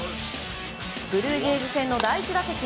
ブルージェイズ戦の第１打席。